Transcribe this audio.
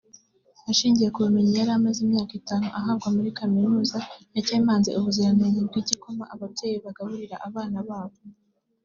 Ashingiye ku bumenyi yari amaze imyaka itanu ahabwa muri kaminuza yakemanze ubuziranenge bw’igikoma ababyeyi bagaburira abana babo